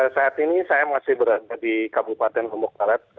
saat ini saya masih berada di kabupaten lombok barat